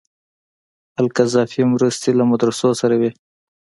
القذافي مرستې له مدرسو سره وې.